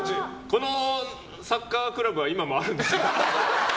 このサッカークラブは今もあるんですか？